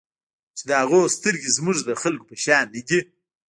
چې د هغوی سترګې زموږ د خلکو په شان نه دي.